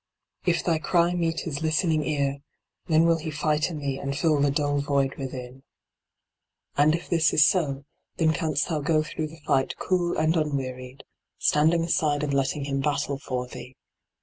If thy cry meet his listening ear, then will he fight in thee and fill the dull void within. And if this is so, then canst thou go through the fight cool and unwearied, standing aside and letting him battle for thee.